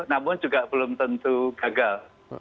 namun juga belum tentu gagal